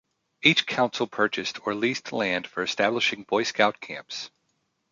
Each council purchased or leased land for establishing Boy Scout camps.